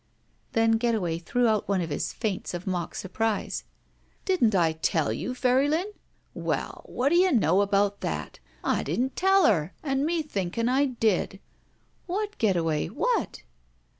Then Getaway threw out one of his feints of mock surprise. ''Didn't I tell you, Pairylin? Well, whadda you know about that ? I didn't tell her, and me thinking I did." What, Getaway, what?"